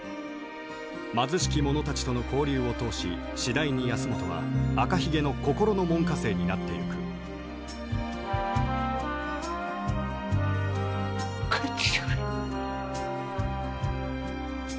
貧しき者たちとの交流を通し次第に保本は赤ひげの心の門下生になっていく帰ってきてくれ。